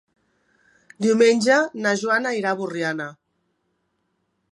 Diumenge na Joana irà a Borriana.